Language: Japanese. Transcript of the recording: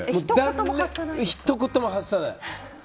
ひと言も発さない。